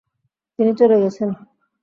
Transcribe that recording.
তিনি চলে গেছেন।